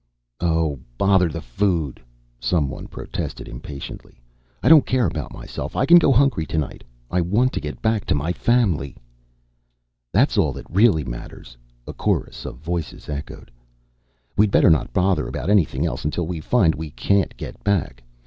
"Oh, bother the food," some one protested impatiently. "I don't care about myself. I can go hungry to night. I want to get back to my family." "That's all that really matters," a chorus of voices echoed. "We'd better not bother about anything else unless we find we can't get back.